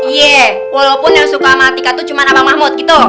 iya walaupun yang suka sama tike tuh cuma abang mahmud gitu